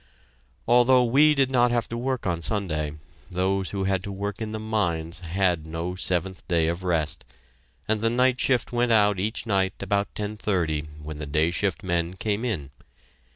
Although we did not have to work on Sunday, those who had to work in the mines had no seventh day of rest, and the night shift went out each night about ten thirty when the day shift men came in.